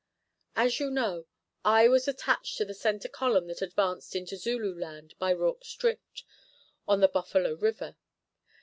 As you know, I was attached to the centre column that advanced into Zululand by Rorke's Drift on the Buffalo River.